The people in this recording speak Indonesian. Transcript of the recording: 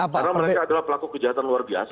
karena mereka adalah pelaku kejahatan luar biasa